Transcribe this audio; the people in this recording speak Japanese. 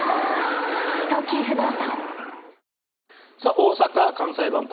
大阪・関西万博